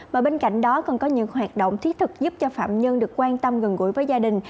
và bên cạnh đó còn có những hoạt động thiết thực giúp cho phạm nhân được quan tâm gần gũi với gia đình